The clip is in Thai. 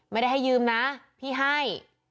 ไม่ได้ให้ยืมนะพี่ให้